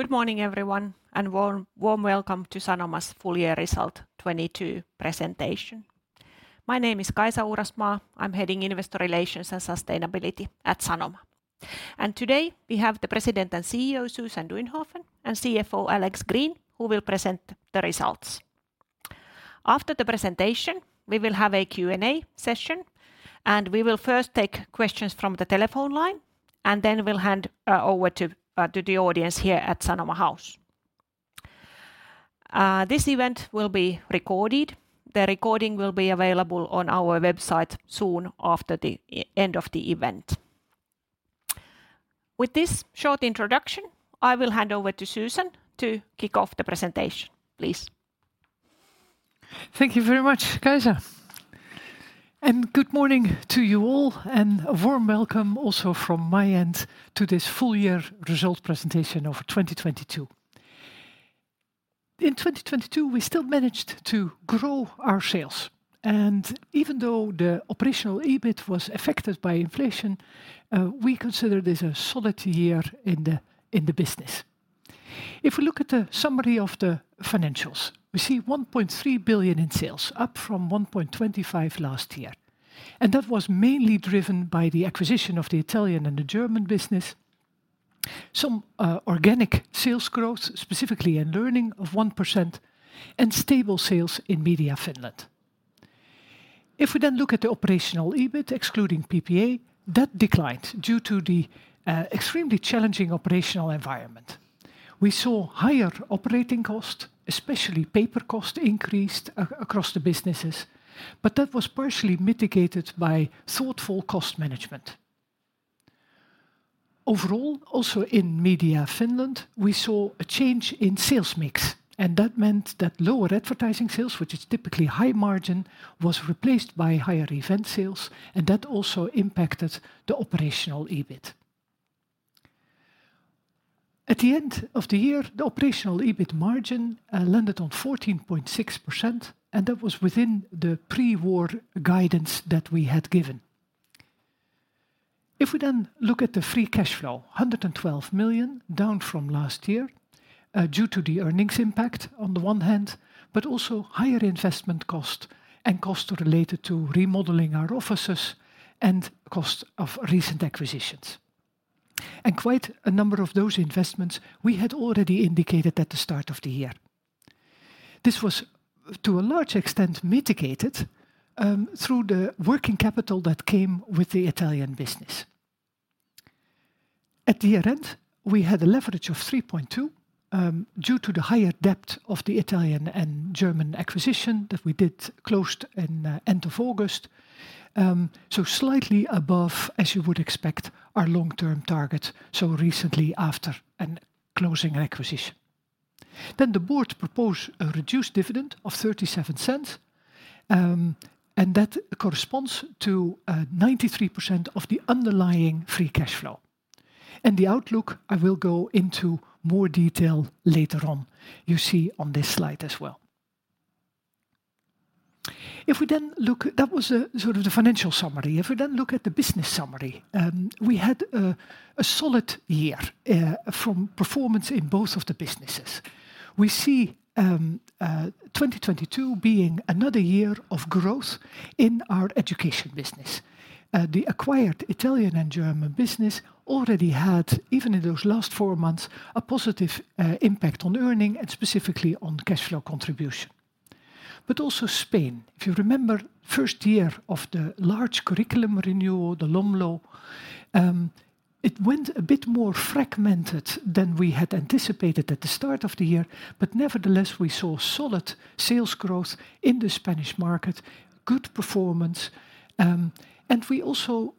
Good morning everyone, warm welcome to Sanoma's Full Year Result 2022 presentation. My name is Kaisa Uurasmaa. I'm heading Investor Relations and Sustainability at Sanoma. Today, we have the President and CEO, Susan Duinhoven, and CFO, Alex Green, who will present the results. After the presentation, we will have a Q&A session, we will first take questions from the telephone line, then we'll hand over to the audience here at Sanoma House. This event will be recorded. The recording will be available on our website soon after the end of the event. With this short introduction, I will hand over to Susan to kick off the presentation. Please. Thank you very much, Kaisa. Good morning to you all, and a warm welcome also from my end to this full year results presentation of 2022. In 2022, we still managed to grow our sales. Even though the operational EBIT was affected by inflation, we consider this a solid year in the business. If we look at the summary of the financials, we see 1.3 billion in sales, up from 1.25 billion last year. That was mainly driven by the acquisition of the Italian and the German business, some organic sales growth, specifically in learning of 1%, and stable sales in Media Finland. If we then look at the operational EBIT excluding PPA, that declined due to the extremely challenging operational environment. We saw higher operating costs, especially paper cost increased across the businesses. That was partially mitigated by thoughtful cost management. Overall, also in Media Finland, we saw a change in sales mix. That meant that lower advertising sales, which is typically high margin, was replaced by higher event sales. That also impacted the operational EBIT. At the end of the year, the operational EBIT margin landed on 14.6%. That was within the pre-war guidance that we had given. If we look at the free cash flow, 112 million, down from last year, due to the earnings impact on the one hand, also higher investment cost and costs related to remodeling our offices and cost of recent acquisitions. Quite a number of those investments we had already indicated at the start of the year. This was, to a large extent, mitigated, through the working capital that came with the Italian business. At the year-end, we had a leverage of 3.2, due to the higher debt of the Italian and German acquisition that we closed in end of August. Slightly above, as you would expect, our long-term target so recently after a closing acquisition. The board proposed a reduced dividend of 0.37, and that corresponds to 93% of the underlying free cash flow. The outlook, I will go into more detail later on, you see on this slide as well. That was sort of the financial summary. If we then look at the business summary, we had a solid year from performance in both of the businesses. We see 2022 being another year of growth in our education business. The acquired Italian and German business already had, even in those last four months, a positive impact on earning and specifically on cash flow contribution. Also Spain. If you remember, first year of the large curriculum renewal, the LOMLOE, it went a bit more fragmented than we had anticipated at the start of the year, nevertheless, we saw solid sales growth in the Spanish market, good performance, and we also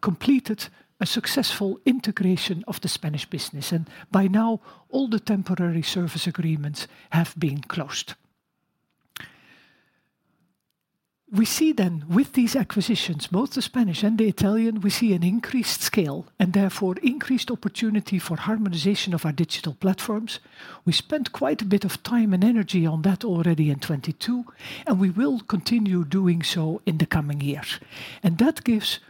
completed a successful integration of the Spanish business. By now all the temporary service agreements have been closed. We see then with these acquisitions, both the Spanish and the Italian, we see an increased scale and therefore increased opportunity for harmonization of our digital platforms. We spent quite a bit of time and energy on that already in 2022, and we will continue doing so in the coming years. That gives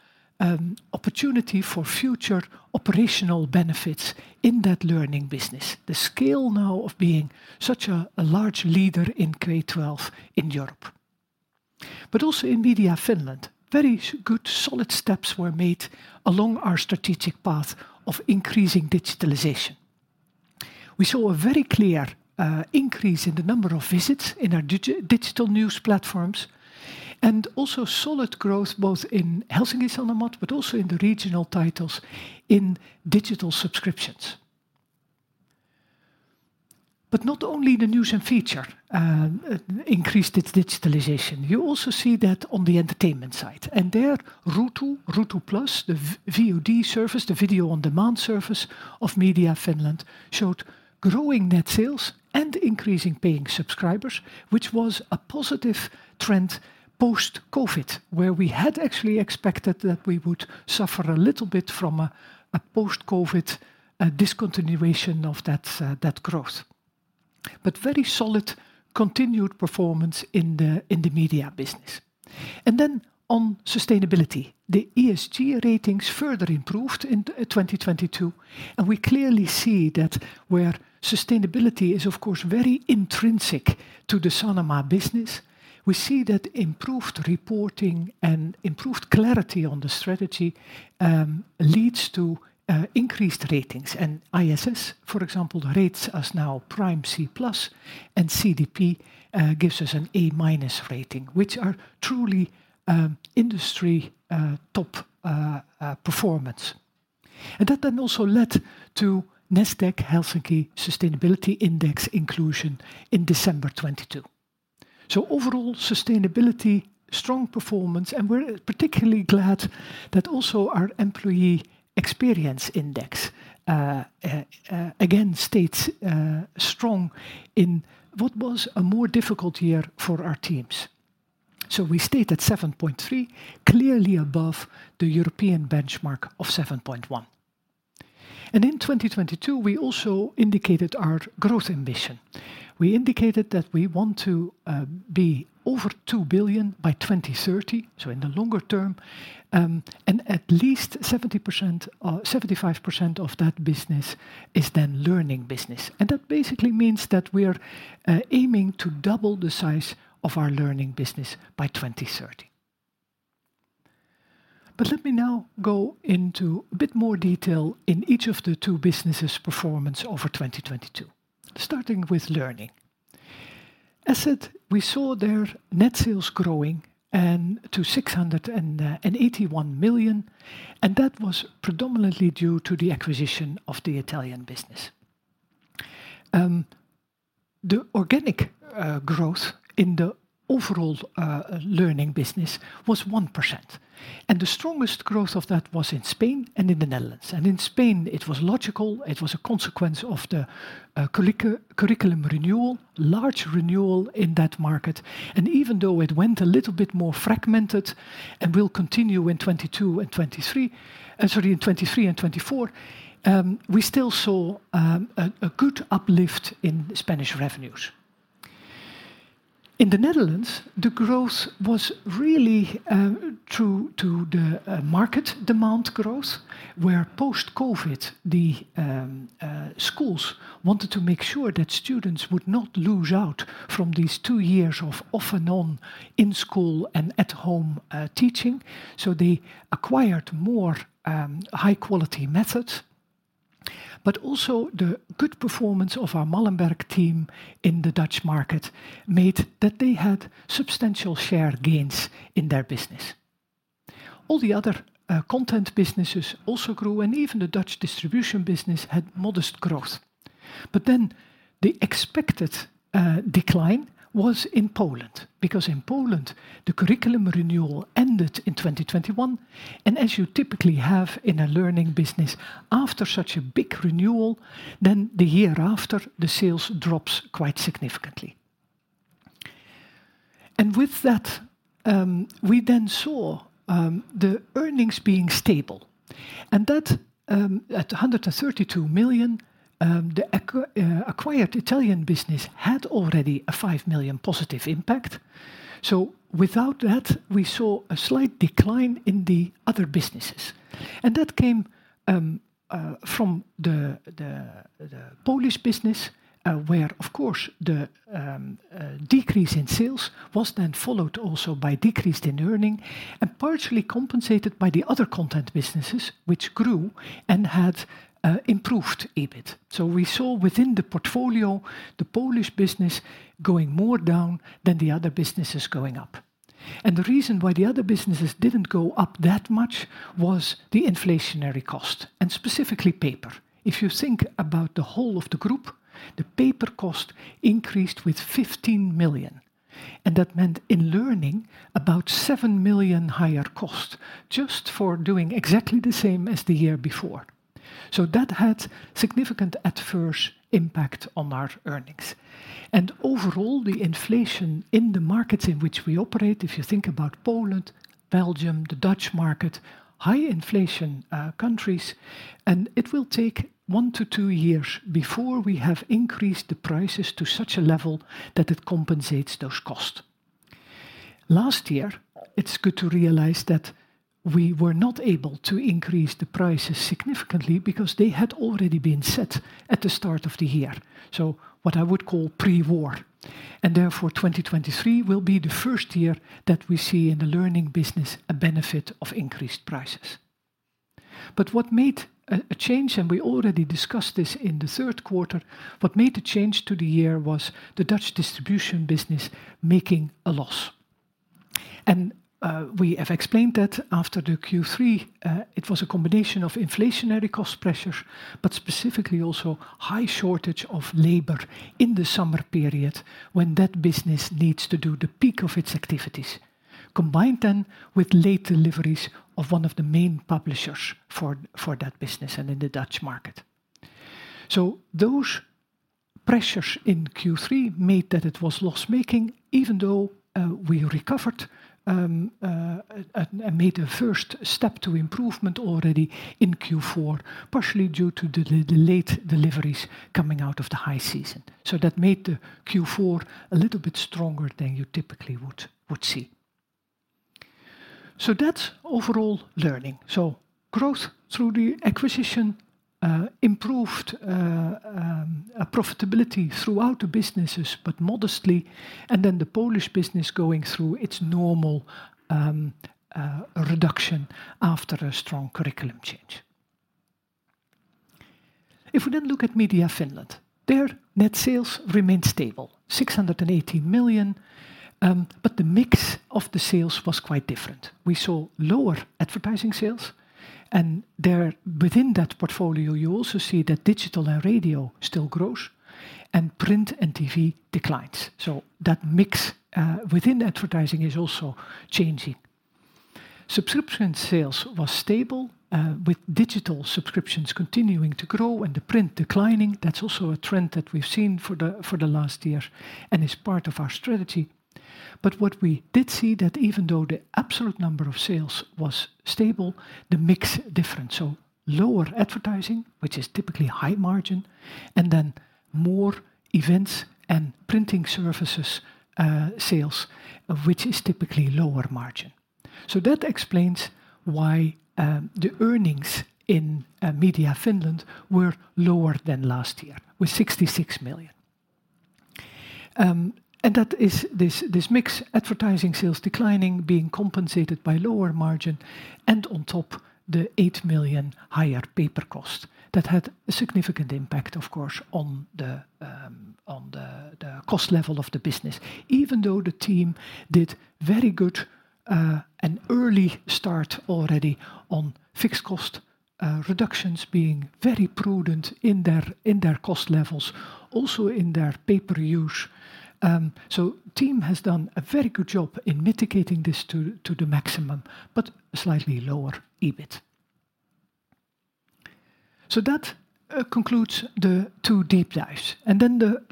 opportunity for future operational benefits in that learning business, the scale now of being such a large leader in K-12 in Europe. Also in Media Finland, very good solid steps were made along our strategic path of increasing digitalization. We saw a very clear increase in the number of visits in our digital news platforms, and also solid growth both in Helsingin Sanomat, but also in the regional titles in digital subscriptions. Not only the news and feature increased its digitalization, you also see that on the entertainment side. There, Ruutu+, the VOD service, the video on demand service of Media Finland, showed growing net sales and increasing paying subscribers, which was a positive trend post-COVID, where we had actually expected that we would suffer a little bit from a post-COVID discontinuation of that growth. But very solid continued performance in the media business. Then on sustainability, the ESG ratings further improved in 2022, and we clearly see that where sustainability is, of course, very intrinsic to the Sanoma business, we see that improved reporting and improved clarity on the strategy leads to increased ratings. ISS, for example, rates us now Prime C+, and CDP gives us an A- rating, which are truly industry top performance. That then also led to Nasdaq Helsinki Sustainability Index inclusion in December 2022. Overall, sustainability, strong performance, and we're particularly glad that also our employee experience index again stayed strong in what was a more difficult year for our teams. We stayed at 7.3, clearly above the European benchmark of 7.1. In 2022, we also indicated our growth ambition. We indicated that we want to be over 2 billion by 2030, so in the longer term, and at least 70% or 75% of that business is then learning business. That basically means that we're aiming to double the size of our learning business by 2030. Let me now go into a bit more detail in each of the two businesses' performance over 2022, starting with learning. As said, we saw their net sales growing to 681 million, and that was predominantly due to the acquisition of the Italian business. The organic growth in the overall learning business was 1%, and the strongest growth of that was in Spain and in the Netherlands. In Spain, it was logical. It was a consequence of the curriculum renewal, large renewal in that market. Even though it went a little bit more fragmented and will continue in 2022 and 2023, sorry, in 2023 and 2024, we still saw a good uplift in Spanish revenues. In the Netherlands, the growth was really true to the market demand growth, where post-COVID, the schools wanted to make sure that students would not lose out from these two years of off and on in-school and at-home teaching, so they acquired more high-quality methods. Also the good performance of our Malmberg team in the Dutch market made that they had substantial share gains in their business. All the other content businesses also grew, and even the Dutch distribution business had modest growth. The expected decline was in Poland, because in Poland, the curriculum renewal ended in 2021, and as you typically have in a learning business, after such a big renewal, the year after, the sales drops quite significantly. With that, we then saw the earnings being stable, and that at 132 million, the acquired Italian business had already a 5 million positive impact. Without that, we saw a slight decline in the other businesses. That came from the Polish business, where, of course, the decrease in sales was then followed also by decrease in earning and partially compensated by the other content businesses which grew and had improved EBIT. We saw within the portfolio, the Polish business going more down than the other businesses going up. The reason why the other businesses didn't go up that much was the inflationary cost, and specifically paper. If you think about the whole of the group, the paper cost increased with 15 million, and that meant in learning, about 7 million higher cost just for doing exactly the same as the year before. That had significant adverse impact on our earnings. Overall, the inflation in the markets in which we operate, if you think about Poland, Belgium, the Dutch market, high inflation, countries, and it will take one to two years before we have increased the prices to such a level that it compensates those costs. Last year, it's good to realize that we were not able to increase the prices significantly because they had already been set at the start of the year, so what I would call pre-war. Therefore, 2023 will be the first year that we see in the learning business a benefit of increased prices. What made a change, and we already discussed this in the third quarter, what made the change to the year was the Dutch distribution business making a loss. We have explained that after the Q3, it was a combination of inflationary cost pressure, but specifically also high shortage of labor in the summer period when that business needs to do the peak of its activities. Combined with late deliveries of one of the main publishers for that business and in the Dutch market. Those pressures in Q3 made that it was loss-making, even though we recovered and made a first step to improvement already in Q4, partially due to the late deliveries coming out of the high season. That made the Q4 a little bit stronger than you typically would see. So that's overall learning. Growth through the acquisition, improved profitability throughout the businesses, but modestly, and then the Polish business going through its normal reduction after a strong curriculum change. If we then look at Sanoma Media Finland, their net sales remained stable, 680 million, but the mix of the sales was quite different. We saw lower advertising sales, and there within that portfolio, you also see that digital and radio still grows and print and TV declines. That mix within advertising is also changing. Subscription sales was stable, with digital subscriptions continuing to grow and the print declining. That's also a trend that we've seen for the last year and is part of our strategy. What we did see that even though the absolute number of sales was stable, the mix different. Lower advertising, which is typically high margin, and then more events and printing services, sales, which is typically lower margin. That explains why the earnings in Media Finland were lower than last year with 66 million. That is this mix, advertising sales declining, being compensated by lower margin, and on top, the 8 million higher paper cost. That had a significant impact, of course, on the cost level of the business, even though the team did very good and early start already on fixed cost reductions, being very prudent in their cost levels, also in their paper use. Team has done a very good job in mitigating this to the maximum, but slightly lower EBIT. That concludes the two deep dives.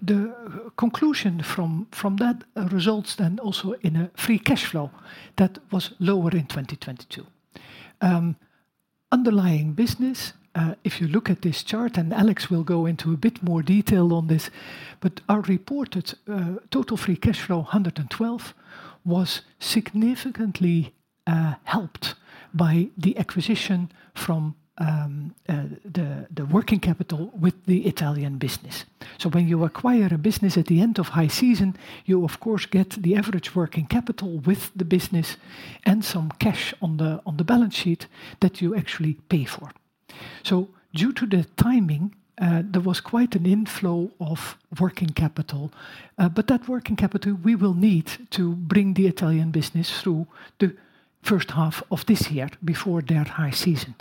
The conclusion from that results then also in a free cash flow that was lower in 2022. Underlying business, if you look at this chart, and Alex will go into a bit more detail on this, but our reported total free cash flow, 112 million, was significantly helped by the acquisition from the working capital with the Italian business. When you acquire a business at the end of high season, you of course get the average working capital with the business and some cash on the balance sheet that you actually pay for. Due to the timing, there was quite an inflow of working capital. That working capital we will need to bring the Italian business through the first half of this year before their high season.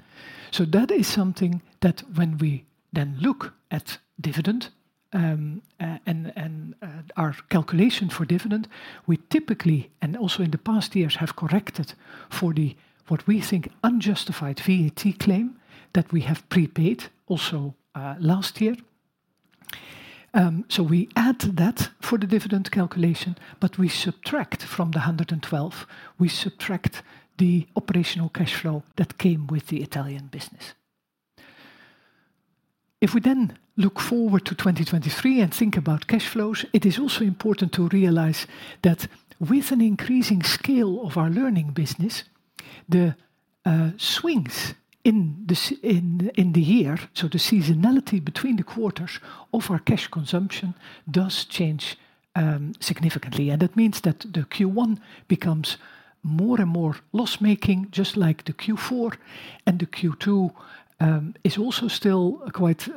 That is something that when we then look at dividend, and our calculation for dividend, we typically, and also in the past years, have corrected for the, what we think, unjustified VAT claim that we have prepaid also last year. We add that for the dividend calculation, but we subtract from the 112, we subtract the operational cash flow that came with the Italian business. If we then look forward to 2023 and think about cash flows, it is also important to realize that with an increasing scale of our learning business, the swings in the year, so the seasonality between the quarters of our cash consumption does change significantly. That means that the Q1 becomes more and more loss-making, just like the Q4, and the Q2, is also still quite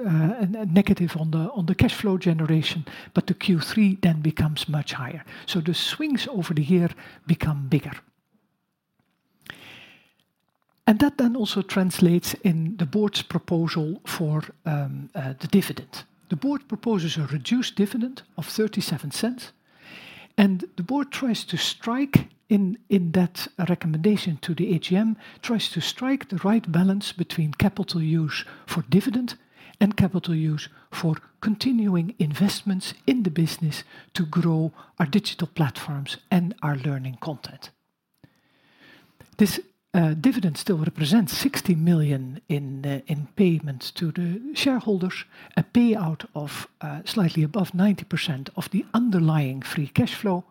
negative on the cash flow generation, but the Q3 then becomes much higher. The swings over the year become bigger. That then also translates in the board's proposal for the dividend. The board proposes a reduced dividend of 0.37, and the board tries to strike in that recommendation to the AGM, tries to strike the right balance between capital use for dividend and capital use for continuing investments in the business to grow our digital platforms and our learning content. This dividend still represents 60 million in payments to the shareholders, a payout of slightly above 90% of the underlying free cash flow,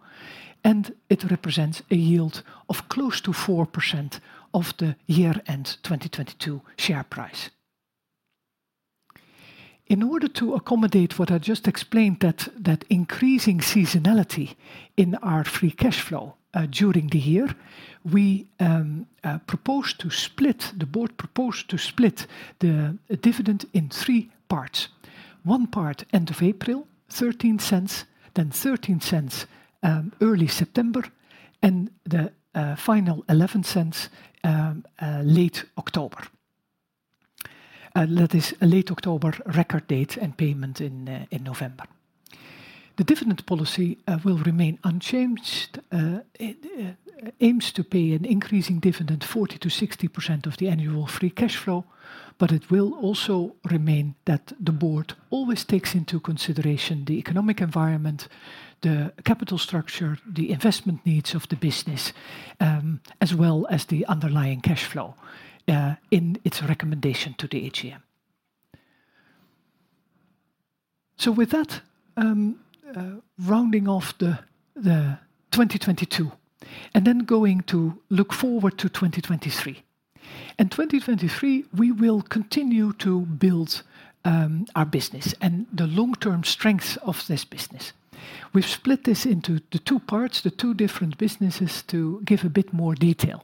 and it represents a yield of close to 4% of the year-end 2022 share price. In order to accommodate what I just explained, that increasing seasonality in our free cash flow during the year, we propose to split, the board propose to split the dividend in three parts. One part end of April, 0.13, then 0.13 early September, and the final 0.11 late October. That is a late October record date and payment in November. The dividend policy will remain unchanged. it aims to pay an increasing dividend 40%-60% of the annual free cash flow, but it will also remain that the board always takes into consideration the economic environment, the capital structure, the investment needs of the business, as well as the underlying cash flow, in its recommendation to the AGM. With that, rounding off the 2022, and then going to look forward to 2023. In 2023, we will continue to build our business and the long-term strengths of this business. We've split this into the two parts, the two different businesses, to give a bit more detail.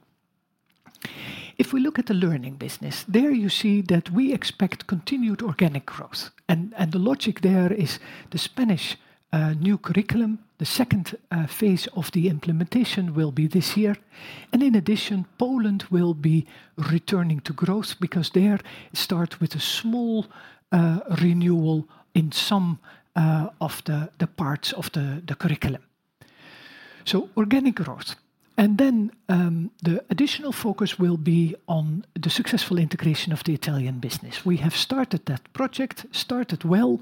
If we look at the Learning business, there you see that we expect continued organic growth. The logic there is the Spanish new curriculum, the second phase of the implementation will be this year. In addition, Poland will be returning to growth because there it start with a small renewal in some of the parts of the curriculum. Organic growth. The additional focus will be on the successful integration of the Italian business. We have started that project, started well.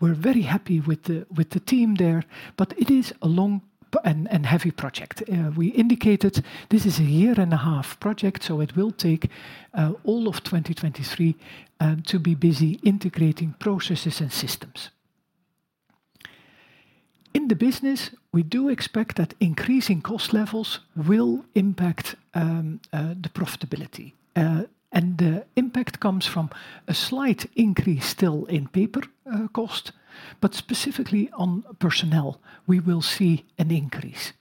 We're very happy with the team there, but it is a long and heavy project. We indicated this is a year-and-a-half project, so it will take all of 2023 to be busy integrating processes and systems. In the business, we do expect that increasing cost levels will impact the profitability. The impact comes from a slight increase still in paper cost, but specifically on personnel, we will see an increase.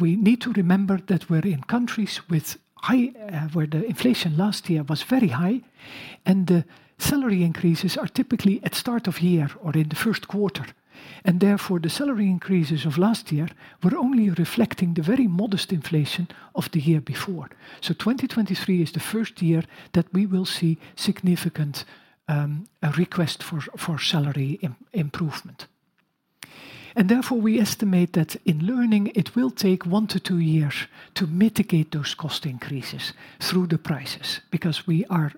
We need to remember that we're in countries with high, where the inflation last year was very high and the salary increases are typically at start of year or in the first quarter, and therefore, the salary increases of last year were only reflecting the very modest inflation of the year before. 2023 is the first year that we will see significant request for salary improvement. Therefore, we estimate that in Learning, it will take one to two years to mitigate those cost increases through the prices because we are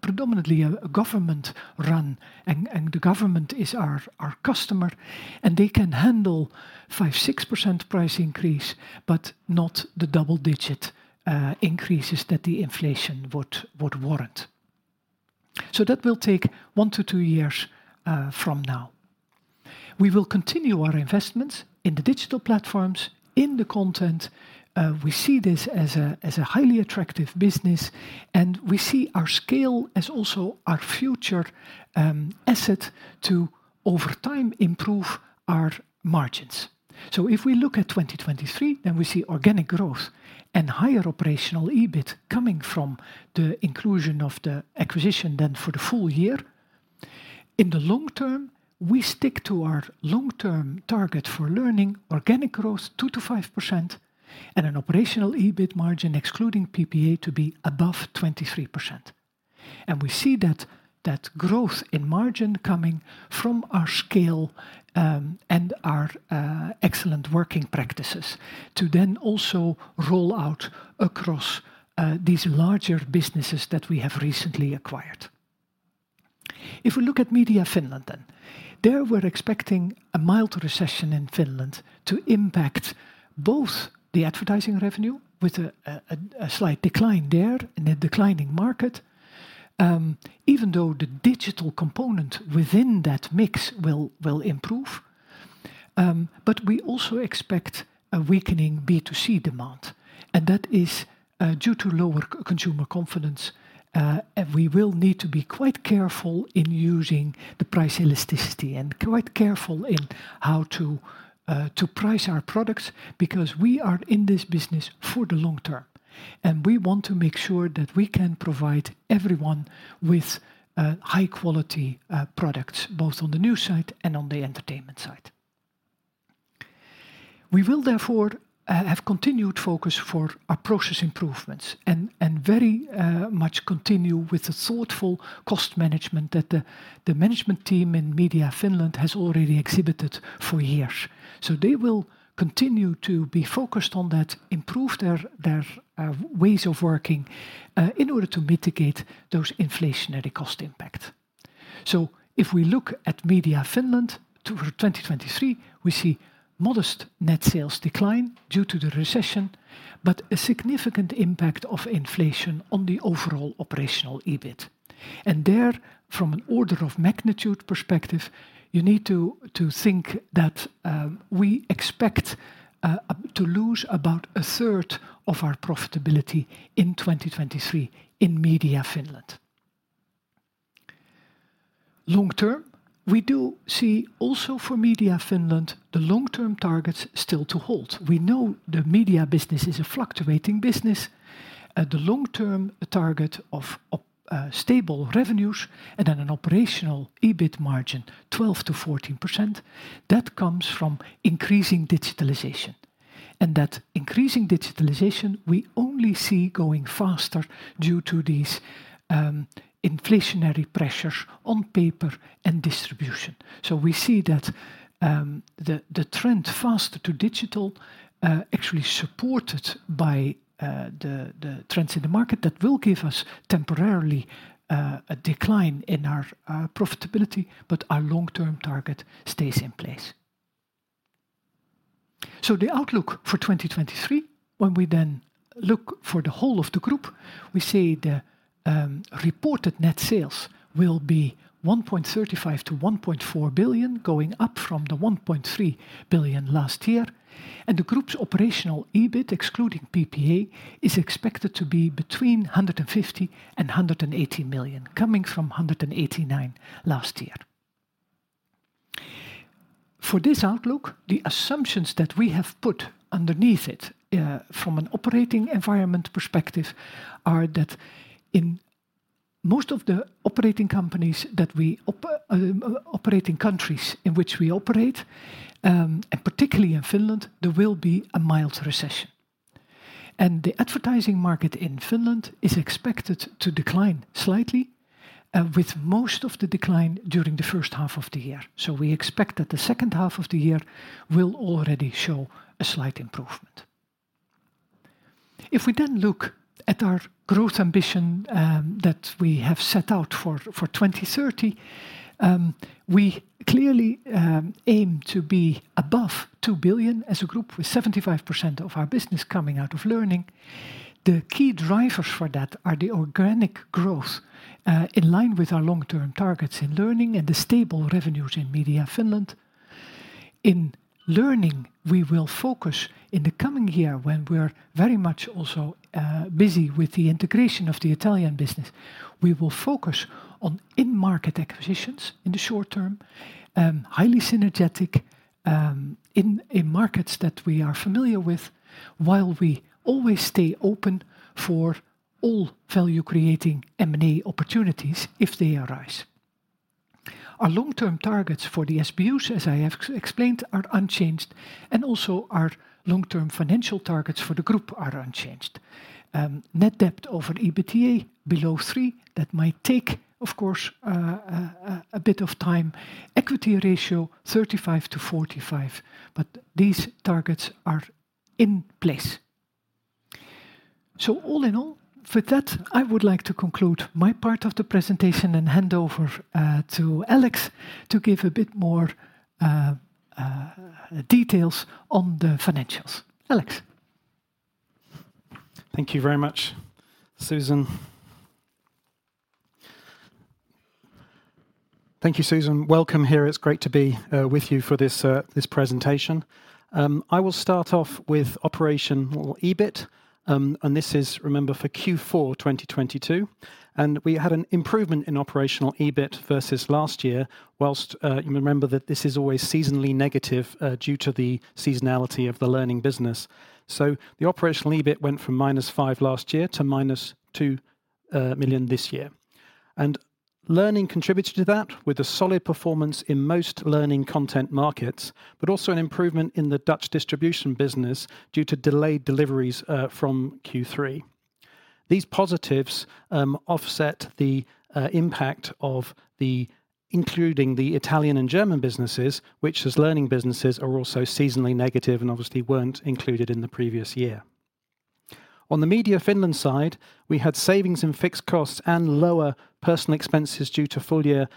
predominantly a government-run, and the government is our customer, and they can handle 5%-6% price increase, but not the double-digit increases that the inflation would warrant. That will take one to two years from now. We will continue our investments in the digital platforms, in the content. We see this as a highly attractive business, and we see our scale as also our future asset to, over time, improve our margins. If we look at 2023, then we see organic growth and higher operational EBIT coming from the inclusion of the acquisition then for the full year. In the long term, we stick to our long-term target for Learning, organic growth 2%-5%, and an operational EBIT margin excluding PPA to be above 23%. We see that growth in margin coming from our scale, and our excellent working practices to then also roll out across these larger businesses that we have recently acquired. If we look at Media Finland, there we're expecting a mild recession in Finland to impact both the advertising revenue with a slight decline there in a declining market, even though the digital component within that mix will improve. We also expect a weakening B2C demand, and that is due to lower consumer confidence. We will need to be quite careful in using the price elasticity and quite careful in how to price our products, because we are in this business for the long term, and we want to make sure that we can provide everyone with high-quality products, both on the news side and on the entertainment side. We will therefore have continued focus for our process improvements and very much continue with the thoughtful cost management that the management team in Media Finland has already exhibited for years. They will continue to be focused on that, improve their ways of working in order to mitigate those inflationary cost impact. If we look at Media Finland for 2023, we see modest net sales decline due to the recession, but a significant impact of inflation on the overall operational EBIT. There, from an order-of-magnitude perspective, you need to think that we expect to lose about a third of our profitability in 2023 in Media Finland. Long term, we do see also for Media Finland, the long-term targets still to hold. We know the media business is a fluctuating business. The long-term target of stable revenues and an operational EBIT margin 12%-14%, that comes from increasing digitalization. That increasing digitalization, we only see going faster due to these inflationary pressures on paper and distribution. We see that the trend faster to digital, actually supported by the trends in the market that will give us temporarily a decline in our profitability, but our long-term target stays in place. The outlook for 2023, when we then look for the whole of the group, we see the reported net sales will be 1.35 billion-1.4 billion, going up from the 1.3 billion last year. The group's operational EBIT, excluding PPA, is expected to be between 150 million and 180 million, coming from 189 last year. For this outlook, the assumptions that we have put underneath it, from an operating environment perspective are that in most of the operating companies that we operating countries in which we operate, and particularly in Finland, there will be a mild recession. The advertising market in Finland is expected to decline slightly, with most of the decline during the first half of the year. We expect that the second half of the year will already show a slight improvement. If we look at our growth ambition that we have set out for 2030, we clearly aim to be above 2 billion as a group, with 75% of our business coming out of learning. The key drivers for that are the organic growth in line with our long-term targets in learning and the stable revenues in Media Finland. In learning, we will focus in the coming year when we're very much also busy with the integration of the Italian business. We will focus on in-market acquisitions in the short term, highly synergetic in markets that we are familiar with, while we always stay open for all value-creating M&A opportunities if they arise. Our long-term targets for the SBUs, as I have explained, are unchanged. Also, our long-term financial targets for the group are unchanged. Net debt over EBITDA below three, that might take, of course, a bit of time. Equity ratio, 35-45, but these targets are in place. All in all, with that, I would like to conclude my part of the presentation and hand over to Alex to give a bit more details on the financials. Alex. Thank you very much, Susan. Thank you, Susan. Welcome here. It's great to be with you for this presentation. I will start off with operational EBIT, and this is, remember, for Q4 2022, and we had an improvement in operational EBIT versus last year, whilst you remember that this is always seasonally negative due to the seasonality of the learning business. The operational EBIT went from -5 million last year to -2 million this year. Learning contributed to that with a solid performance in most learning content markets, but also an improvement in the Dutch distribution business due to delayed deliveries from Q3. These positives offset the impact of including the Italian and German businesses, which as learning businesses are also seasonally negative and obviously weren't included in the previous year. On the Media Finland side, we had savings in fixed costs and lower personnel expenses due to full-year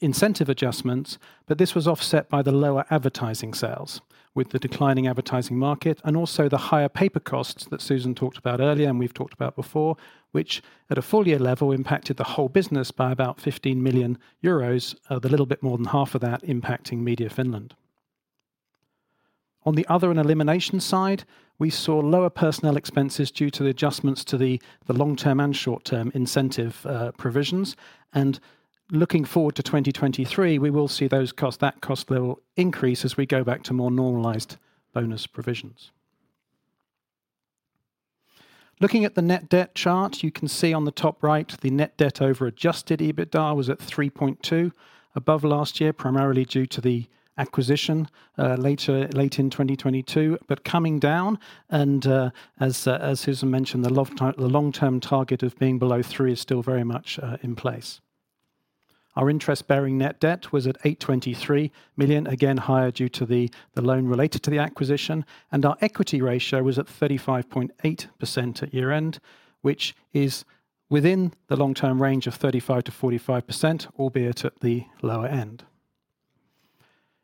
incentive adjustments. This was offset by the lower advertising sales with the declining advertising market and also the higher paper costs that Susan talked about earlier and we've talked about before, which at a full-year level impacted the whole business by about 15 million euros, with a little bit more than half of that impacting Media Finland. On the other and elimination side, we saw lower personnel expenses due to the adjustments to the long-term and short-term incentive provisions. Looking forward to 2023, we will see that cost level increase as we go back to more normalized bonus provisions. Looking at the net debt chart, you can see on the top right, the net debt over adjusted EBITDA was at 3.2 above last year, primarily due to the acquisition, late in 2022. Coming down and as Susan mentioned, the long-term target of being below three is still very much in place. Our interest-bearing net debt was at 823 million, again higher due to the loan related to the acquisition, and our equity ratio was at 35.8% at year-end, which is within the long-term range of 35%-45%, albeit at the lower end.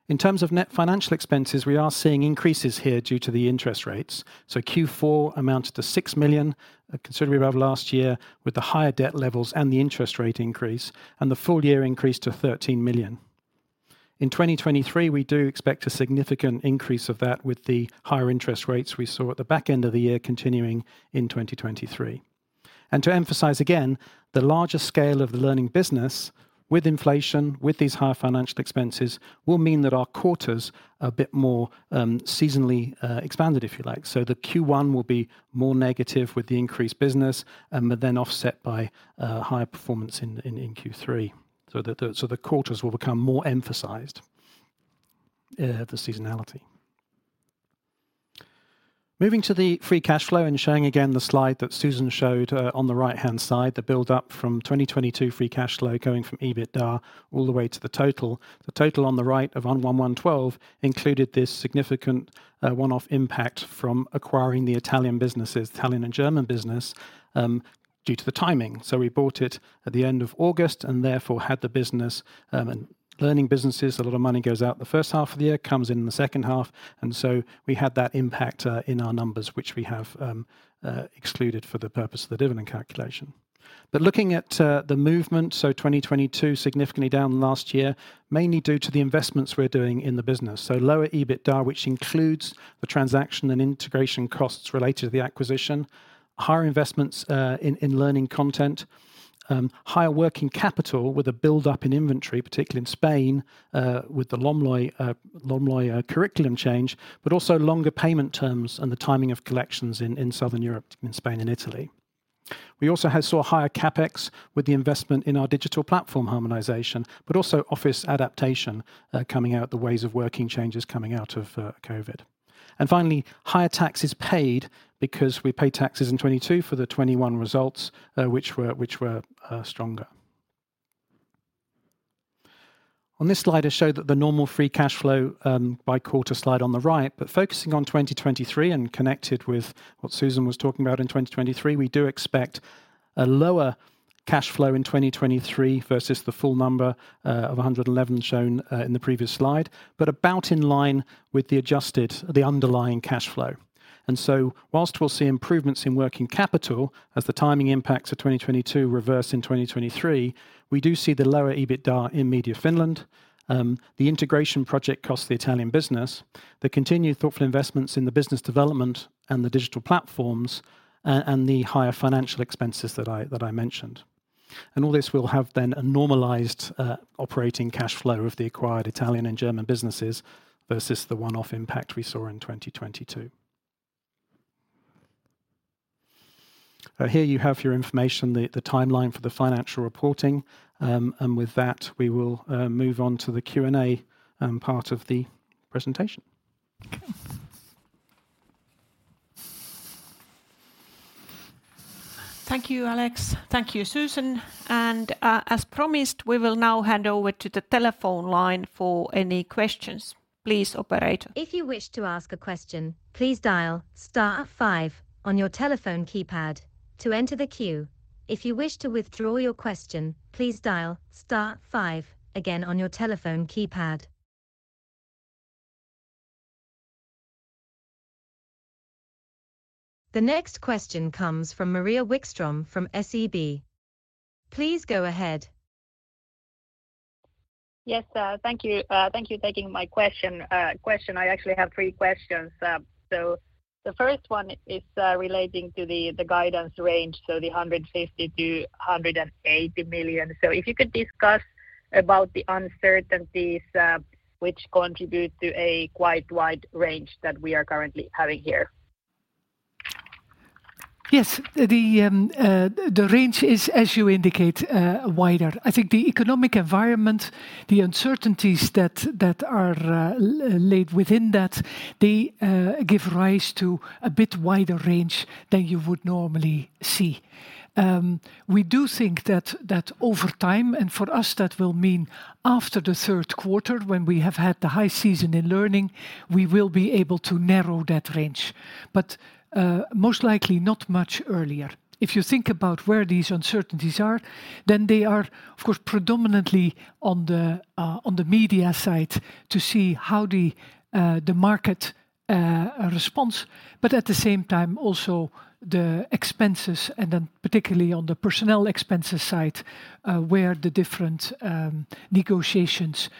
In terms of net financial expenses, we are seeing increases here due to the interest rates. Q4 amounted to 6 million, considerably above last year with the higher debt levels and the interest rate increase, and the full year increased to 13 million. In 2023, we do expect a significant increase of that with the higher interest rates we saw at the back end of the year continuing in 2023. To emphasize again, the larger scale of the learning business with inflation, with these higher financial expenses, will mean that our quarters are a bit more seasonally expanded, if you like. The Q1 will be more negative with the increased business, but then offset by higher performance in Q3. The quarters will become more emphasized, the seasonality. Moving to the free cash flow and showing again the slide that Susan Duinhoven showed on the right-hand side, the build-up from 2022 free cash flow going from EBITDA all the way to the total. The total on the right of 112 included this significant one-off impact from acquiring the Italian and German business due to the timing. We bought it at the end of August and therefore had the business. In learning businesses, a lot of money goes out the first half of the year, comes in in the second half, and so we had that impact in our numbers, which we have excluded for the purpose of the dividend calculation. Looking at the movement, 2022 significantly down last year, mainly due to the investments we're doing in the business. Lower EBITDA, which includes the transaction and integration costs related to the acquisition. Higher investments in learning content. Higher working capital with a build-up in inventory, particularly in Spain, with the LOMLOE curriculum change, but also longer payment terms and the timing of collections in Southern Europe, in Spain and Italy. We also saw higher CapEx with the investment in our digital platform harmonization, but also office adaptation, coming out, the ways of working changes coming out of COVID. Finally, higher taxes paid because we paid taxes in 2022 for the 2021 results, which were stronger. On this slide, I showed that the normal free cash flow by quarter slide on the right. Focusing on 2023 and connected with what Susan was talking about in 2023, we do expect a lower cash flow in 2023 versus the full number of 111 million shown in the previous slide, but about in line with the adjusted, the underlying cash flow. Whilst we'll see improvements in working capital as the timing impacts of 2022 reverse in 2023, we do see the lower EBITDA in Media Finland, the integration project cost the Italian business, the continued thoughtful investments in the business development and the digital platforms, and the higher financial expenses that I mentioned. All this will have then a normalized operating cash flow of the acquired Italian and German businesses versus the one-off impact we saw in 2022. Here you have your information, the timeline for the financial reporting. With that, we will move on to the Q&A part of the presentation. Thank you, Alex. Thank you, Susan. As promised, we will now hand over to the telephone line for any questions. Please, operator. If you wish to ask a question, please dial star five on your telephone keypad to enter the queue. If you wish to withdraw your question, please dial star five again on your telephone keypad. The next question comes from Maria Wikström from SEB. Please go ahead. Yes, thank you. Thank you taking my question. I actually have three questions. The first one is relating to the guidance range, so the 150 million-180 million. If you could discuss about the uncertainties, which contribute to a quite wide range that we are currently having here. Yes. The range is, as you indicate, wider. I think the economic environment, the uncertainties that are laid within that, they give rise to a bit wider range than you would normally see. We do think that over time, and for us, that will mean after the third quarter when we have had the high season in learning, we will be able to narrow that range. Most likely not much earlier. If you think about where these uncertainties are, they are, of course, predominantly on the media side to see how the market responds, but at the same time also the expenses and then particularly on the personnel expenses side, where the different negotiations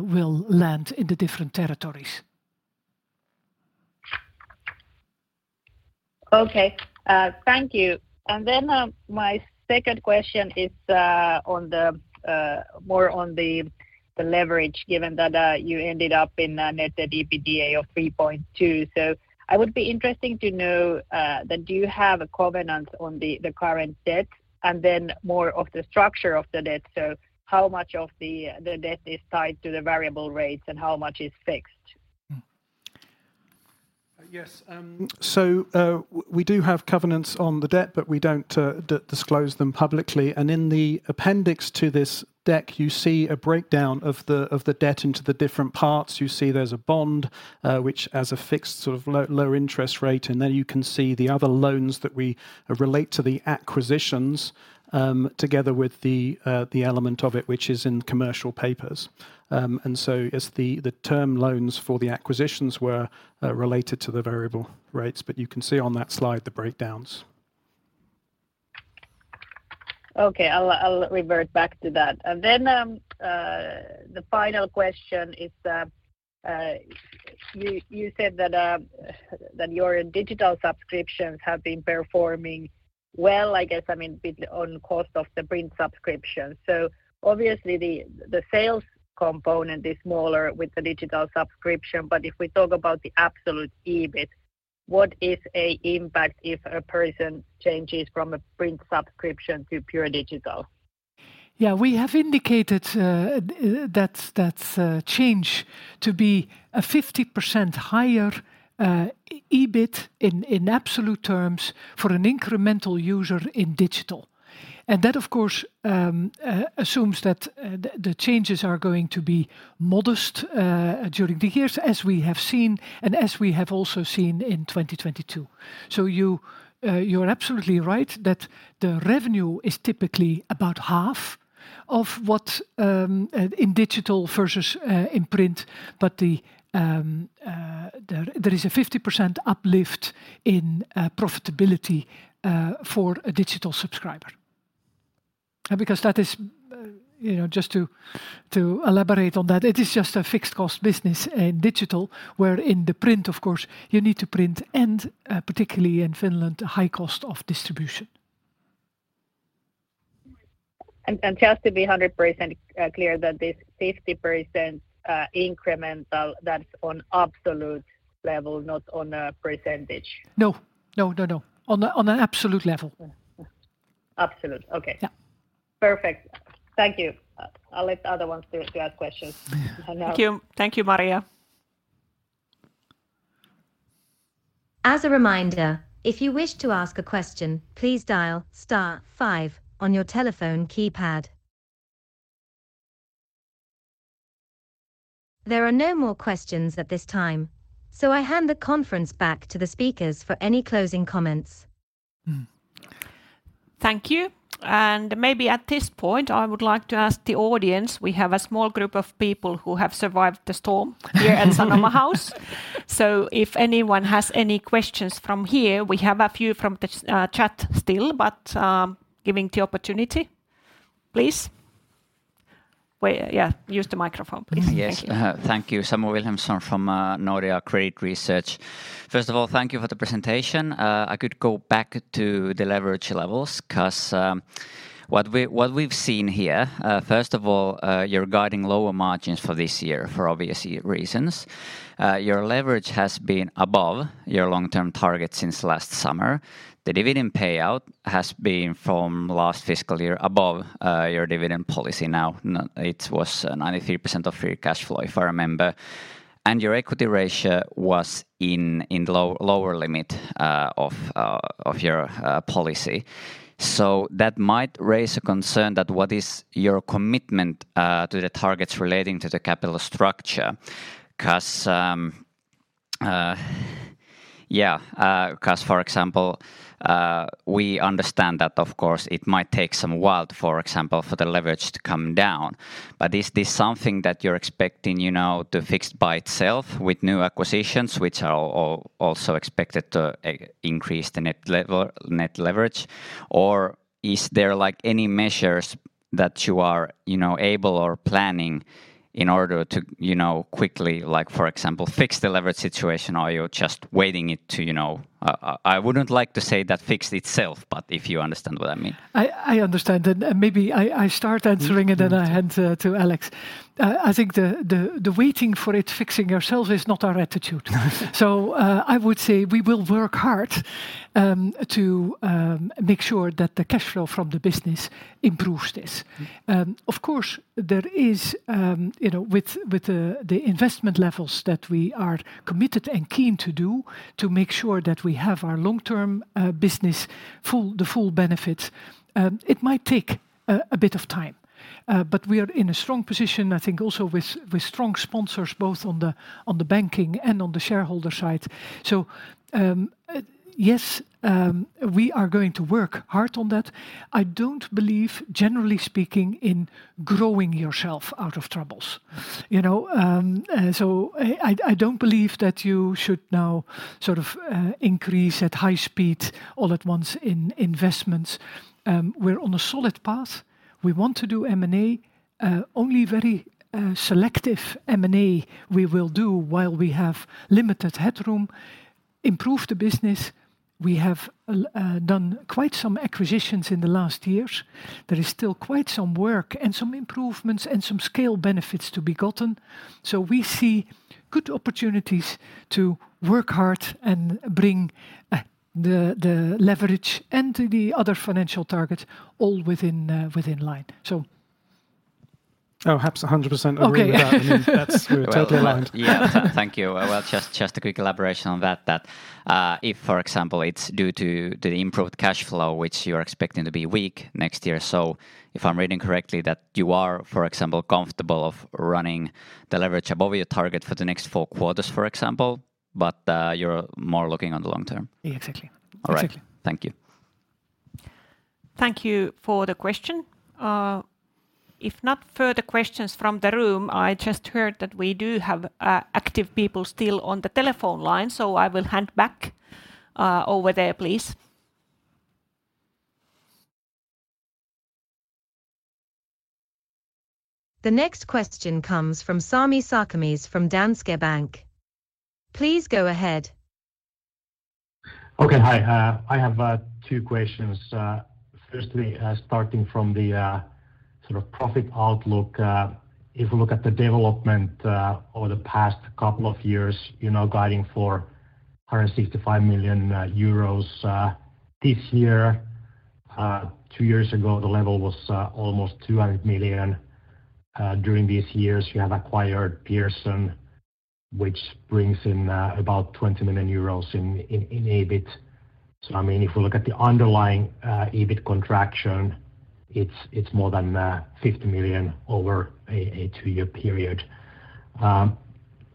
will land in the different territories. Okay, thank you. My second question is on the more on the leverage, given that you ended up in a net debt/EBITDA of 3.2. I would be interesting to know that do you have a covenant on the current debt? More of the structure of the debt. How much of the debt is tied to the variable rates and how much is fixed? Yes. We do have covenants on the debt, but we don't disclose them publicly. In the appendix to this deck, you see a breakdown of the debt into the different parts. You see there's a bond, which has a fixed sort of low interest rate. You can see the other loans that we relate to the acquisitions, together with the element of it, which is in commercial paper. The term loans for the acquisitions were related to the variable rates. You can see on that slide the breakdowns. Okay. I'll revert back to that. The final question is, you said that your digital subscriptions have been performing well, I guess, I mean, with on cost of the print subscription. Obviously the sales component is smaller with the digital subscription. If we talk about the absolute EBIT, what is a impact if a person changes from a print subscription to pure digital? Yeah. We have indicated that change to be a 50% higher EBIT in absolute terms for an incremental user in digital. That, of course, assumes that the changes are going to be modest during the years as we have seen and as we have also seen in 2022. You, you're absolutely right that the revenue is typically about half of what in digital versus in print, but there is a 50% uplift in profitability for a digital subscriber. Because that is, you know, just to elaborate on that, it is just a fixed cost business in digital. Where in the print, of course, you need to print and particularly in Finland, a high cost of distribution. Just to be 100% clear that this 50% incremental that's on absolute level, not on a percentage. No. No, no. On an absolute level. Absolute. Okay. Yeah. Perfect. Thank you. I'll let other ones to ask questions. Thank you. Thank you, Maria. As a reminder, if you wish to ask a question, please dial star five on your telephone keypad. There are no more questions at this time, so I hand the conference back to the speakers for any closing comments. Thank you. Maybe at this point, I would like to ask the audience, we have a small group of people who have survived the storm here at Sanoma House. If anyone has any questions from here, we have a few from the chat still, but, giving the opportunity. Please. Wait, yeah, use the microphone please. Thank you. Yes. Thank you. Samuel Williamson from Nordea Credit Research. First of all, thank you for the presentation. I could go back to the leverage levels 'cause what we, what we've seen here, first of all, you're guiding lower margins for this year for obvious reasons. Your leverage has been above your long-term target since last summer. The dividend payout has been from last fiscal year above your dividend policy now. It was 93% of free cash flow if I remember. Your equity ratio was in the lower limit of your policy. That might raise a concern that what is your commitment to the targets relating to the capital structure? Yeah, for example, we understand that of course it might take some while, for example, for the leverage to come down. Is this something that you're expecting, you know, to fix by itself with new acquisitions, which are also expected to increase the net leverage? Is there, like, any measures that you are, you know, able or planning in order to, you know, quickly, like for example, fix the leverage situation? You're just waiting it to, you know... I wouldn't like to say that fix itself, but if you understand what I mean. I understand. Maybe I start answering it- Please do. then I hand to Alex. I think the waiting for it fixing ourselves is not our attitude. I would say we will work hard to make sure that the cash flow from the business improves this. Of course, there is, you know, with the investment levels that we are committed and keen to do to make sure that we have our long-term business full, the full benefit, it might take a bit of time. We are in a strong position, I think also with strong sponsors, both on the banking and on the shareholder side. Yes, we are going to work hard on that. I don't believe, generally speaking, in growing yourself out of troubles, you know? I don't believe that you should now sort of increase at high speed all at once in investments. We're on a solid path. We want to do M&A. Only very selective M&A we will do while we have limited headroom. Improve the business. We have done quite some acquisitions in the last years. There is still quite some work and some improvements and some scale benefits to be gotten. We see good opportunities to work hard and bring the leverage and the other financial targets all within within line. Oh, perhaps 100% agree with that. Okay. I mean, that's. We're totally aligned. Yeah. Thank you. Well, just a quick elaboration on that, if, for example, it's due to the improved cash flow, which you're expecting to be weak next year, so if I'm reading correctly that you are, for example, comfortable of running the leverage above your target for the next four quarters, for example, but, you're more looking on the long term? Yeah, exactly. All right. Exactly. Thank you. Thank you for the question. If not further questions from the room, I just heard that we do have active people still on the telephone line, so I will hand back over there, please. The next question comes from Sami Sarkamies from Danske Bank. Please go ahead. Okay. Hi. I have two questions. Firstly, starting from the sort of profit outlook. If we look at the development over the past couple of years, you know, guiding for 165 million euros this year. Two years ago, the level was almost 200 million. During these years, you have acquired Pearson, which brings in about 20 million euros in EBIT. I mean, if we look at the underlying EBIT contraction, it's more than 50 million over a two-year period.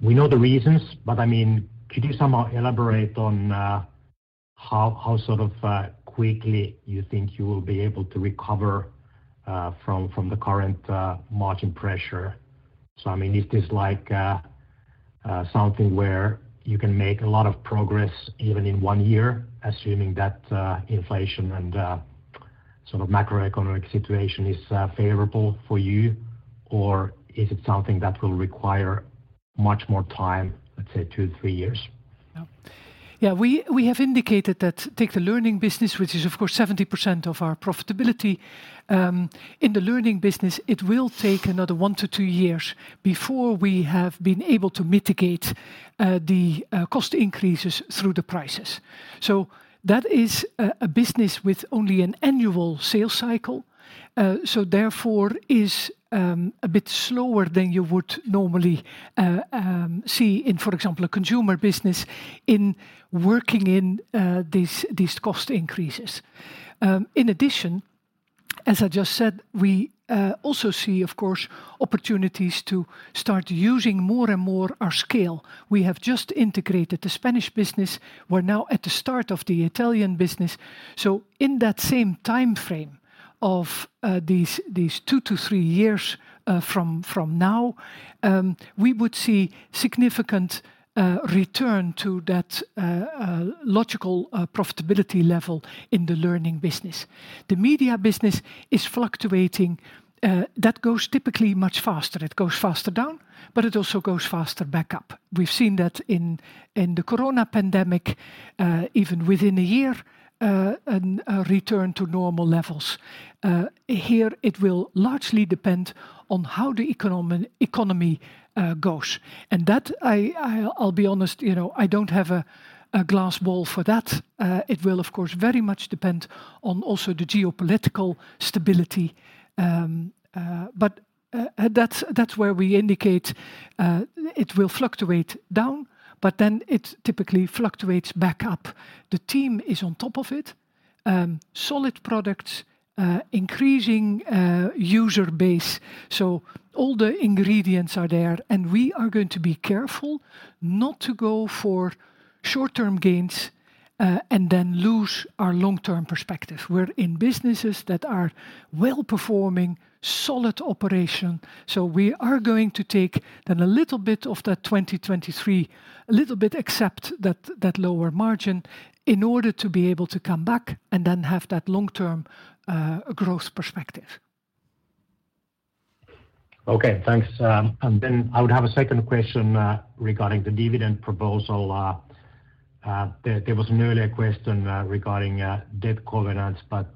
We know the reasons. I mean, could you somehow elaborate on how sort of quickly you think you will be able to recover from the current margin pressure? I mean, is this like something where you can make a lot of progress even in one year, assuming that inflation and sort of macroeconomic situation is favorable for you? Is it something that will require much more time, let's say two to three years? Yeah. We have indicated that take the learning business, which is of course 70% of our profitability, in the learning business, it will take another one to two years before we have been able to mitigate the cost increases through the prices. That is a business with only an annual sales cycle. Therefore is a bit slower than you would normally see in, for example, a consumer business in working in these cost increases. In addition, as I just said, we also see, of course, opportunities to start using more and more our scale. We have just integrated the Spanish business. We're now at the start of the Italian business. In that same timeframe of these two to three years from now, we would see significant return to that logical profitability level in the learning business. The media business is fluctuating. That goes typically much faster. It goes faster down, but it also goes faster back up. We've seen that in the corona pandemic even within a year, an return to normal levels. Here it will largely depend on how the economy goes. That I'll be honest, you know, I don't have a glass wall for that. It will of course very much depend on also the geopolitical stability. That's where we indicate it will fluctuate down, but then it typically fluctuates back up. The team is on top of it. Solid products, increasing user base. All the ingredients are there, and we are going to be careful not to go for short-term gains, and then lose our long-term perspective. We're in businesses that are well-performing, solid operation. We are going to take then a little bit of that 2023, accept that lower margin in order to be able to come back and then have that long-term growth perspective. Okay. Thanks. Then I would have a second question regarding the dividend proposal. There was an earlier question regarding debt covenants, but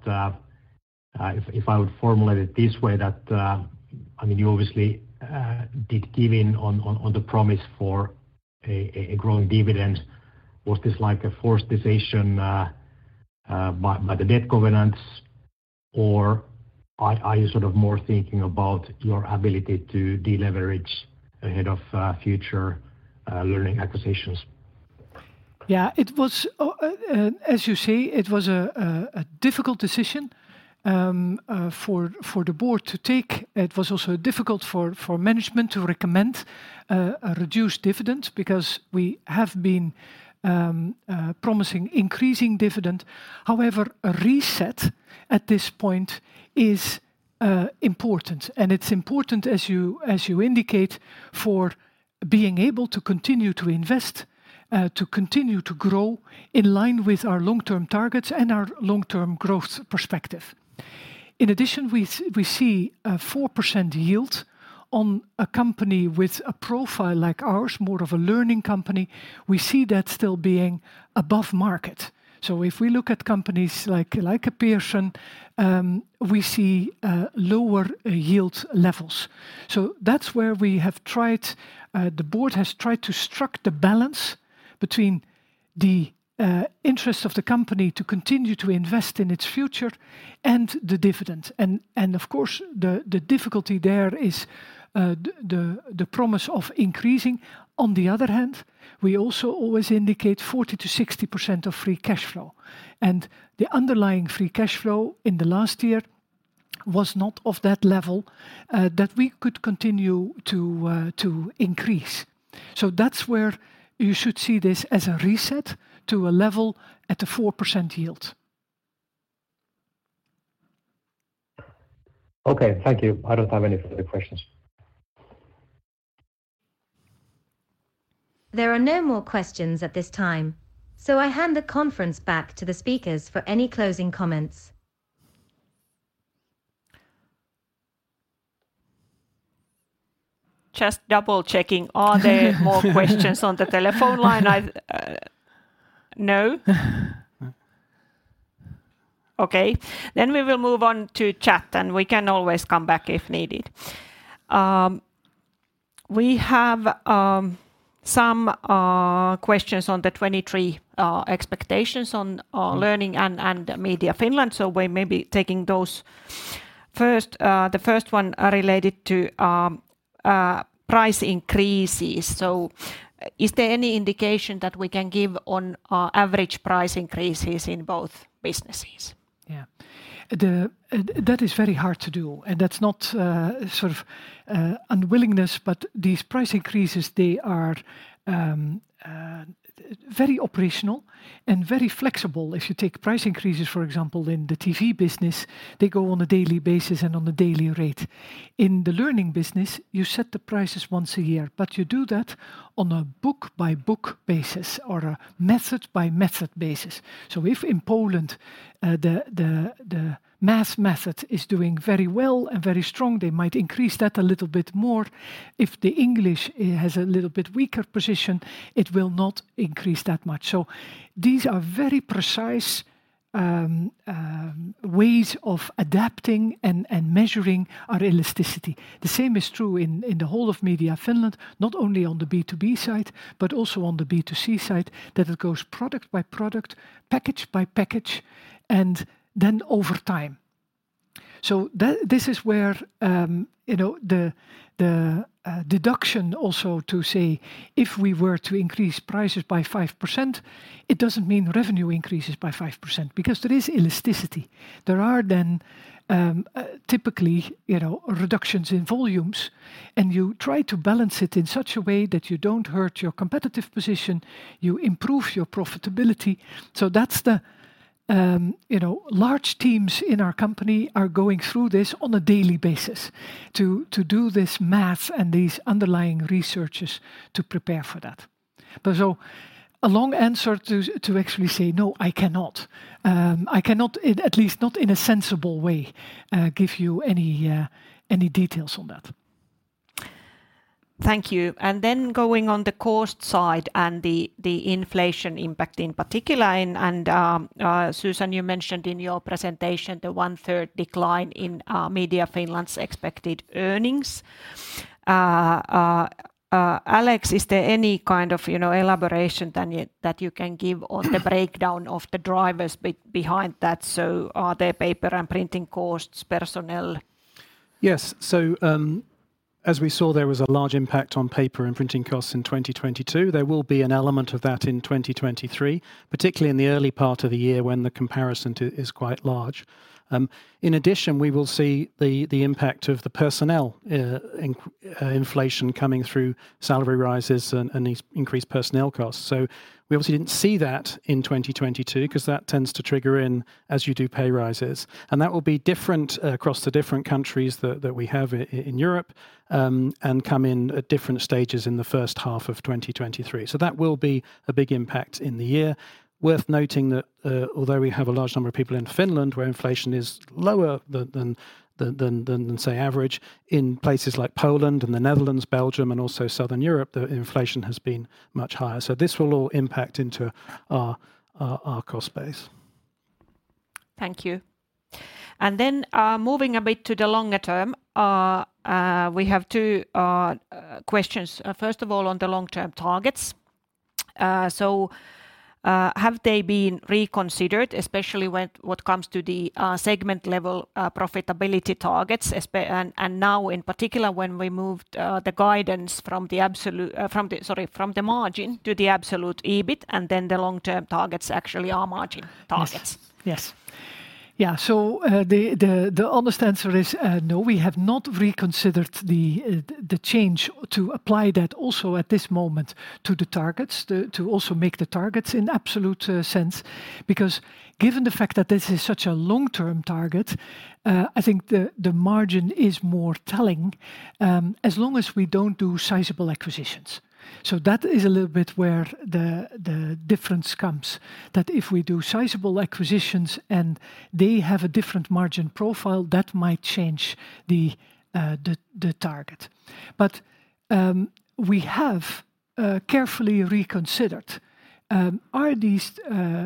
if I would formulate it this way that, I mean, you obviously did give in on the promise for a growing dividend. Was this like a forced decision by the debt covenants? Or are you sort of more thinking about your ability to deleverage ahead of future learning acquisitions? Yeah. It was, as you say, it was a difficult decision for the board to take. It was also difficult for management to recommend a reduced dividend because we have been promising increasing dividend. However, a reset at this point is important, and it's important, as you indicate, for being able to continue to invest to continue to grow in line with our long-term targets and our long-term growth perspective. In addition, we see a 4% yield on a company with a profile like ours, more of a learning company. We see that still being above market. If we look at companies like a Pearson, we see lower yield levels. That's where we have tried, the board has tried to struck the balance between the interests of the company to continue to invest in its future and the dividend. Of course, the difficulty there is the promise of increasing. The underlying free cash flow in the last year was not of that level that we could continue to increase. That's where you should see this as a reset to a level at a 4% yield. Okay. Thank you. I don't have any further questions. There are no more questions at this time, so I hand the conference back to the speakers for any closing comments. Just double-checking. Are there more questions on the telephone line? No? Okay. We will move on to chat, and we can always come back if needed. We have some questions on the 2023 expectations on Learning and Media Finland, so we're maybe taking those first. The first one related to price increases. Is there any indication that we can give on average price increases in both businesses? Yeah. The that is very hard to do, and that's not sort of unwillingness, but these price increases, they are very operational and very flexible. If you take price increases, for example, in the TV business, they go on a daily basis and on a daily rate. In the learning business, you set the prices once a year, but you do that on a book-by-book basis or a method-by-method basis. If in Poland, the math method is doing very well and very strong, they might increase that a little bit more. If the English has a little bit weaker position, it will not increase that much. These are very precise ways of adapting and measuring our elasticity. The same is true in the whole of Media Finland, not only on the B2B side but also on the B2C side, that it goes product by product, package by package, and then over time. This is where, you know, the deduction also to say if we were to increase prices by 5%, it doesn't mean revenue increases by 5% because there is elasticity. There are then, typically, you know, reductions in volumes, and you try to balance it in such a way that you don't hurt your competitive position, you improve your profitability. That's the, you know. Large teams in our company are going through this on a daily basis to do this math and these underlying researches to prepare for that. A long answer to actually say, "No, I cannot." I cannot, at least not in a sensible way, give you any details on that. Thank you. Going on the cost side and the inflation impact in particular and Susan, you mentioned in your presentation the one-third decline in Media Finland's expected earnings. Alex, is there any kind of, you know, elaboration then that you can give on the breakdown of the drivers behind that? Are there paper and printing costs, personnel? Yes. As we saw, there was a large impact on paper and printing costs in 2022. There will be an element of that in 2023, particularly in the early part of the year when the comparison to, is quite large. In addition, we will see the impact of the personnel inflation coming through salary rises and these increased personnel costs. We obviously didn't see that in 2022 'cause that tends to trigger in as you do pay rises, and that will be different across the different countries that we have in Europe, and come in at different stages in the first half of 2023. That will be a big impact in the year. Worth noting that, although we have a large number of people in Finland, where inflation is lower than, say, average, in places like Poland and the Netherlands, Belgium, and also Southern Europe, the inflation has been much higher. This will all impact into our cost base. Thank you. Moving a bit to the longer term, we have two questions. On the long-term targets, have they been reconsidered, especially when what comes to the segment level, profitability targets and now in particular when we moved, the guidance from the absolute, sorry, from the margin to the absolute EBIT, the long-term targets actually are margin targets? Yes. Yes. Yeah. The honest answer is no, we have not reconsidered the change to apply that also at this moment to the targets, to also make the targets in absolute sense because given the fact that this is such a long-term target, I think the margin is more telling, as long as we don't do sizable acquisitions. That is a little bit where the difference comes, that if we do sizable acquisitions and they have a different margin profile, that might change the target. We have carefully reconsidered, are these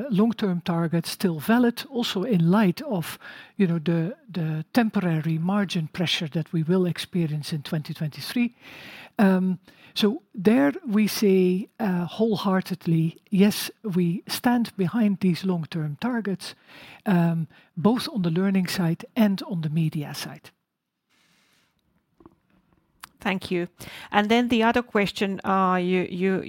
long-term targets still valid also in light of, you know, the temporary margin pressure that we will experience in 2023? There we say wholeheartedly, "Yes, we stand behind these long-term targets, both on the learning side and on the media side. Thank you. The other question,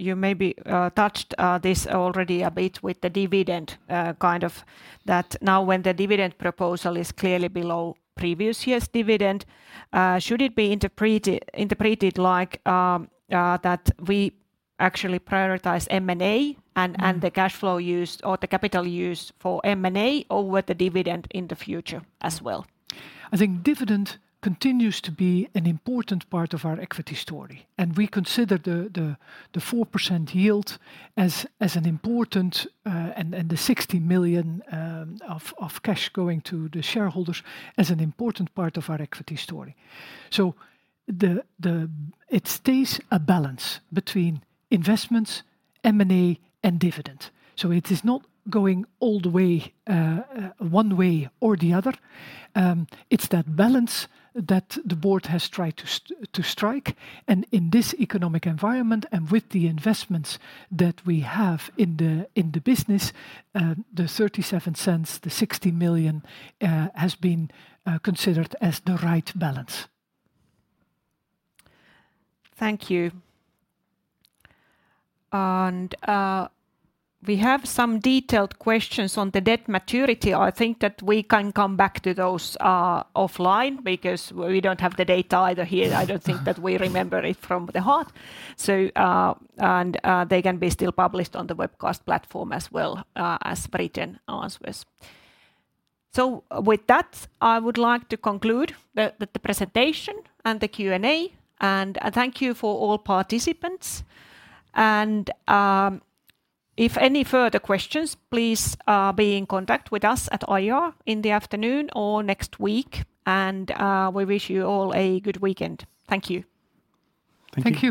you maybe touched this already a bit with the dividend, kind of that now when the dividend proposal is clearly below previous year's dividend, should it be interpreted like that we actually prioritize M&A and the cash flow use or the capital use for M&A over the dividend in the future as well? I think dividend continues to be an important part of our equity story, and we consider the 4% yield as an important and the 60 million of cash going to the shareholders as an important part of our equity story. It stays a balance between investments, M&A, and dividend. It is not going all the way one way or the other. It's that balance that the board has tried to strike and in this economic environment and with the investments that we have in the business, the 0.37, the 60 million, has been considered as the right balance. Thank you. We have some detailed questions on the debt maturity. I think that we can come back to those offline because we don't have the data either here. I don't think that we remember it from the heart. They can be still published on the webcast platform as well as written answers. With that, I would like to conclude the presentation and the Q&A. Thank you for all participants. If any further questions, please be in contact with us at IR in the afternoon or next week. We wish you all a good weekend. Thank you. Thank you.